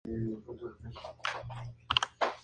Es miembro de la banda Grow Up, junto con Keith Allen.